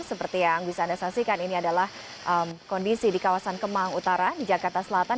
seperti yang bisa anda saksikan ini adalah kondisi di kawasan kemang utara jakarta selatan